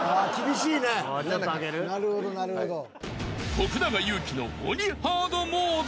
［徳永ゆうきの鬼ハードモード］